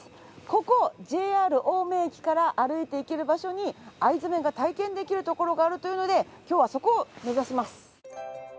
ここＪＲ青梅駅から歩いて行ける場所に藍染が体験できる所があるというので今日はそこを目指します。